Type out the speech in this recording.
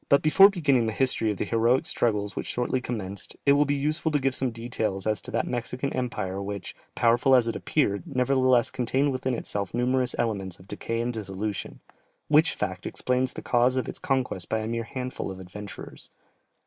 Before beginning the history of the heroic struggles which shortly commenced, it will be useful to give some details as to that Mexican empire which, powerful as it appeared, nevertheless contained within itself numerous elements of decay and dissolution, which fact explains the cause of its conquest by a mere handful of adventurers.